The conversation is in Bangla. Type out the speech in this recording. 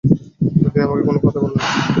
কিন্তু, তিনি আমাকে কোনো কথাই বললেন না।